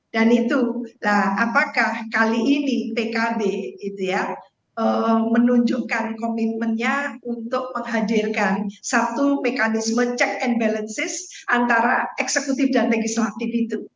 dan itu apakah kali ini pkb itu ya menunjukkan komitmennya untuk menghadirkan satu mekanisme check and balances antara eksekutif dan legislatif itu